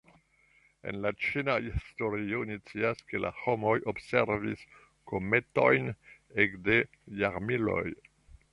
El la ĉina historio ni scias, ke la homoj observis kometojn ekde jarmiloj.